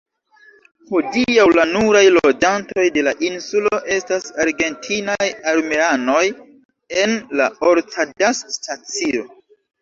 Hodiaŭ la nuraj loĝantoj de la insulo estas argentinaj armeanoj en la Orcadas-stacio.